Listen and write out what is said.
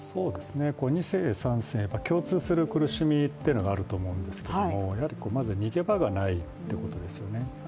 ２世、３世、共通する苦しみというのがあると思うんですけどまず逃げ場がないということですよね。